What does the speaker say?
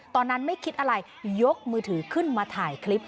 ตอนนั้นไม่คิดอะไรยกมือถือขึ้นมาถ่ายคลิป